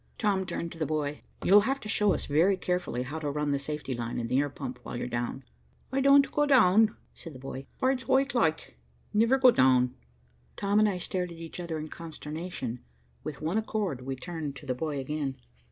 Tom turned to the boy. "You'll have to show us very carefully how to run the safety line and the air pump, while you're down." "I don't go down," said the boy. "Heart's wike loike. Niver go down." Tom and I stared at each other in consternation. With one accord we turned to the boy again.